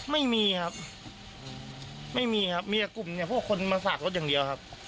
ไม่มีครับไม่มีครับมีแต่กลุ่มเนี่ยพวกคนมาสากรถอย่างเดียวครับ